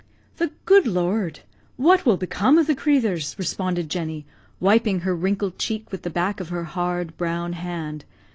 "The good Lord! What will become of the crathurs?" responded Jenny, wiping her wrinkled cheek with the back of her hard, brown hand.